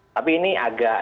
tapi ini agak